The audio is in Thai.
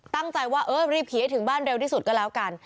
ตั้งใจว่าเออรีบผีให้ถึงบ้านเร็วที่สุดก็แล้วกัน